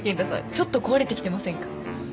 ちょっと壊れてきてませんか？